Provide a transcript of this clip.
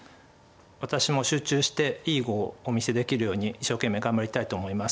私も集中していい碁をお見せできるように一生懸命頑張りたいと思います。